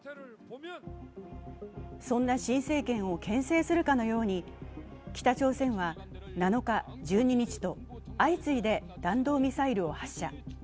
そんな新政権をけん制するかのように、北朝鮮は７日、１２日と相次いで弾道ミサイルを発射。